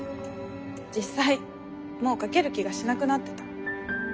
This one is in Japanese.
実際もう書ける気がしなくなってた。